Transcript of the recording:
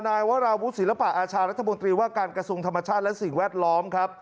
นายวราวุศิลปะอาชารัฐมนตรีว่าการกระทรวงธรรมชาติและสิ่งแวดล้อมครับ